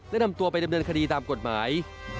และนำตัวไปดำเนินคดีตามกฎหมาย